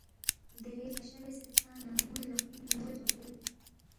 دیرے گشا بیاسے ہلتانہ موئے لقینگ میندوغی چھغبوئی یود سوک۔